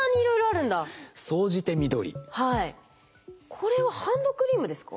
これはハンドクリームですか？